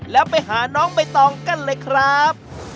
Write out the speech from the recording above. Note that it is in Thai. แล้วไปหาน้องใบตองกันเลยครับ